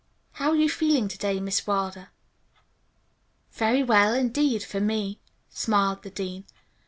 "How are you feeling to day, Miss Wilder?" "Very well, indeed, for me," smiled the dean.